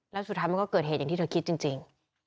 แล้วสุดท้ายมันก็เกิดเหตุอย่างที่เธอคิดจริง